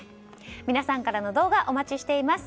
皆さんからの動画お待ちしています。